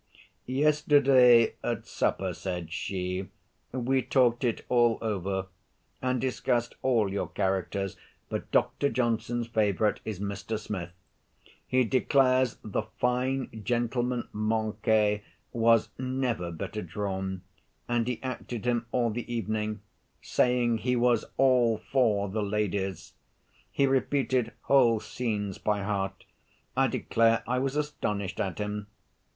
"Yesterday at supper," said she, "we talked it all over, and discussed all your characters; but Dr. Johnson's favorite is Mr. Smith. He declares the fine gentleman manqué was never better drawn, and he acted him all the evening, saying 'he was all for the ladies!' He repeated whole scenes by heart. I declare I was astonished at him.